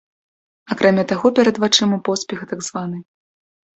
Акрамя таго, перад вачыма поспех так званай.